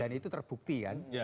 dan itu terbukti kan